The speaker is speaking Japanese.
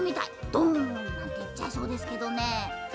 ドンなんていっちゃいそうですけどね。